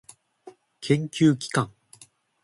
研究機関